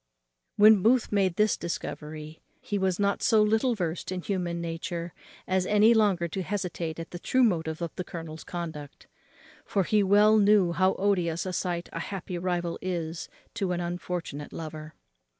When Booth had made this discovery, he was not so little versed in human nature, as any longer to hesitate at the true motive to the colonel's conduct; for he well knew how odious a sight a happy rival is to an unfortunate lover.